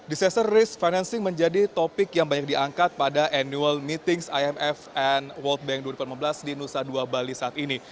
disaster risk financing menjadi topik yang banyak diangkat pada annual meetings imf and world bank dua ribu lima belas di nusa dua bali saat ini